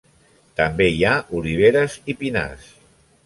També hi ha oliveres i pinars.